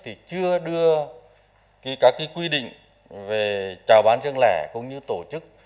thì chưa đưa các quy định về trào bán riêng lẻ cũng như tổ chức